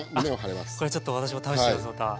これちょっと私も試してみますまた。